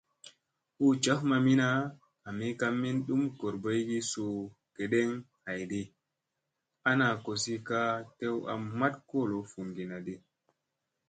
Hu jaf mamina, ami ka min ɗum goorboygi suu gedeŋ haydi ana kosi ka tew a maɗ kolo vunginadi.